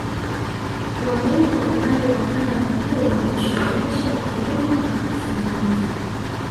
Wabena wa upande wa ukanda wa juu wanajishughulisha na kilimo na ufugaji